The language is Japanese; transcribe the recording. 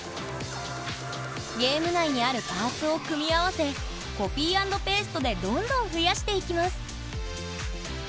ゲーム内にあるパーツを組み合わせコピー＆ペーストでどんどん増やしていきます。